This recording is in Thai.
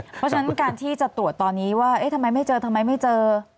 เพราะฉะนั้นการที่จะตรวจตอนนี้ว่าเอ๊ะทำไมไม่เจอทำไมไม่เจอ